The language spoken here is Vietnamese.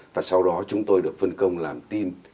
và sau đó chúng tôi được phân công làm tin